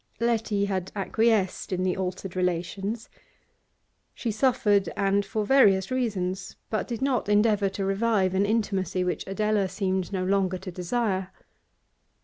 Letty had acquiesced in the altered relations; she suffered, and for various reasons, but did not endeavour to revive an intimacy which Adela seemed no longer to desire.